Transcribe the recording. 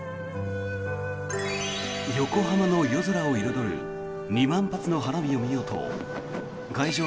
横浜の夜空を彩る２万発の花火を見ようと会場